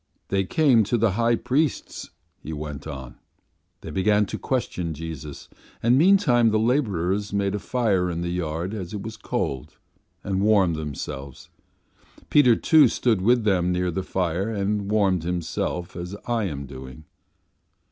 "They came to the high priest's," he went on; "they began to question Jesus, and meantime the labourers made a fire in the yard as it was cold, and warmed themselves. Peter, too, stood with them near the fire and warmed himself as I am doing.